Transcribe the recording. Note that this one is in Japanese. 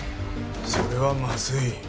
それはまずい。